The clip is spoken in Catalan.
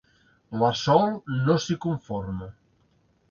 La Sol no s'hi conforma.